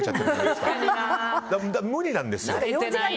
だから無理なんですよ。